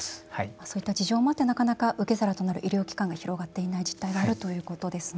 そういった事情もあってなかなか受け皿となる医療機関が広がっていない実態があるということですね。